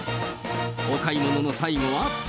お買い物の最後は。